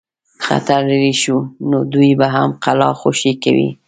خطر لیري شو نو دوی به هم قلا خوشي کوي.